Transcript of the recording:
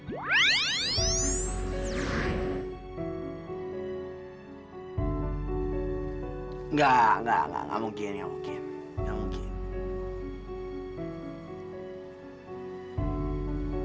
tidak gak mungkin gak mungkin